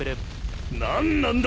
何なんだ！？